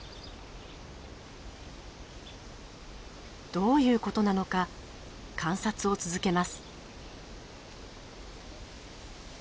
どういうことなのか観察を続けます。